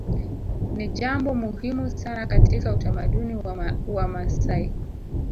Ni jambo muhimu sana katika utamaduni wa Wamasai